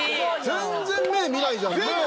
全然見ないじゃん。